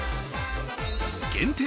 限定！